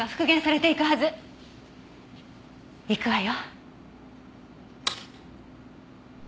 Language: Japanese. いくわよ。